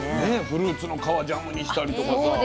フルーツの皮ジャムにしたりとかさ